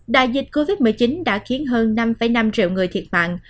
đại dịch covid một mươi chín đã khiến hơn năm năm triệu người thiệt mạng